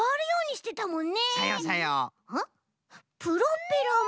プロペラも。